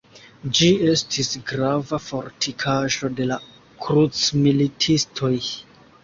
Ĝi estis grava fortikaĵo de la krucmilitistoj.